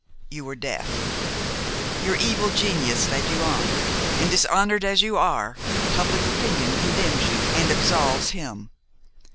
'–you were deaf: your evil genius led you on and, dishonored as you are, public opinion condemns you and absolves him.